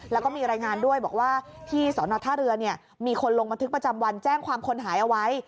แล้วก็มีรายงานด้วยบอกว่าที่สอนอท่าเรือมีคนลงบันทึกประจำวันแจ้งความคนหายเอาไว้